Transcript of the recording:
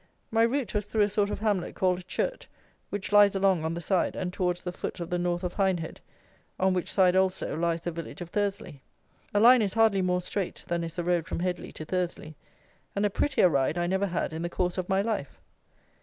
My route was through a sort of hamlet called Churt, which lies along on the side and towards the foot of the north of Hindhead, on which side, also, lies the village of Thursley. A line is hardly more straight than is the road from Headley to Thursley; and a prettier ride I never had in the course of my life.